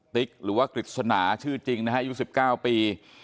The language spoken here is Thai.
ติ๊กหรือว่ากฤษณาชื่อจริงนะฮะอายุ๑๙ปี